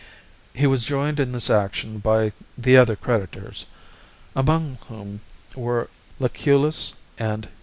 He was joined in this action by the other creditors, among whom were Lucullus and P.